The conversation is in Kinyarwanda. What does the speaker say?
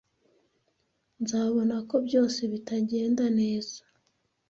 Nzabona ko byose bitagenda neza.